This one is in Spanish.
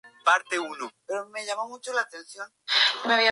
Antiguamente las bateas eran de madera.